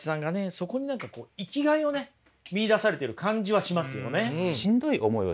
そこに何か生きがいをね見いだされてる感じはしますよね。